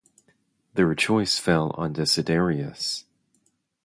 Their choice fell on Desiderius.